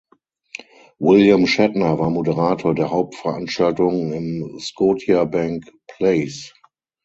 William Shatner war Moderator der Hauptveranstaltung im Scotiabank Place.